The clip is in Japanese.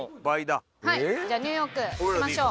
じゃあニューヨークいきましょう。